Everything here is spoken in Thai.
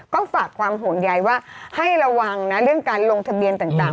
ก็ฝากความห่วงใยว่าให้ระวังนะเรื่องการลงทะเบียนต่าง